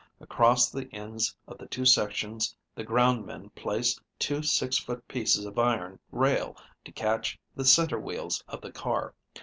Across the ends of the two sections the ground men place two six foot pieces of iron rail, to catch the center wheels of the car.